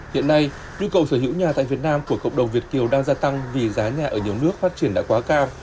hiện nay nhu cầu sở hữu nhà tại việt nam của cộng đồng việt kiều đang gia tăng vì giá nhà ở nhiều nước phát triển đã quá cao